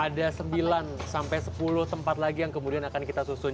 ada sembilan sampai sepuluh tempat lagi yang kemudian akan kita susun